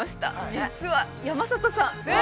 実は山里さん。